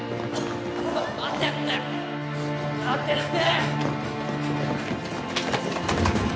待てって待てって！